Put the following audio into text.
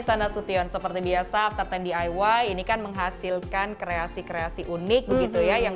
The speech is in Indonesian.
sana sution seperti biasa after sepuluh diy ini kan menghasilkan kreasi kreasi unik begitu ya yang